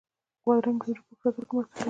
بادرنګ د وجود پاک ساتلو کې مرسته کوي.